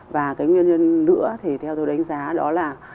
và cái nguyên nhân nữa thì theo tôi đánh giá đó là